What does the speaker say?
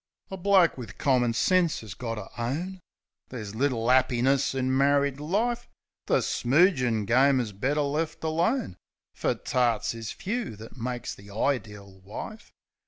A bloke wiv commin sense 'as got to own There's little 'appiness in married life. The smoogin' game is better left alone, Fer tarts is few that makes ihe ideel wife.